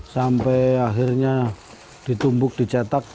sampai akhirnya ditumbuk dicetak